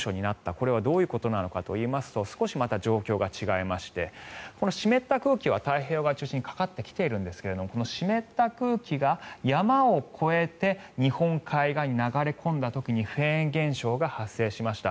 これはどういうことなのかといいますと少しまた状況が違いましてこの湿った空気は太平洋側を中心にかかってきているんですがこの湿った空気が、山を越えて日本海側に流れ込んだ時にフェーン現象が発生しました。